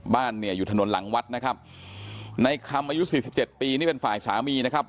บ้านอยู่ถนนหลังวัดนะครับในคำอายุ๔๗ปีนี่เป็นฝ่ายสามีนะครับ